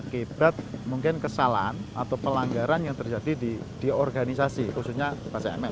kibrat mungkin kesalahan atau pelanggaran yang terjadi di organisasi khususnya